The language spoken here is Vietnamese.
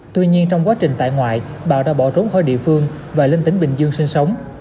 tuy nhiên trong quá trình tại ngoại bảo đã bỏ trốn khỏi địa phương và lên tỉnh bình dương sinh sống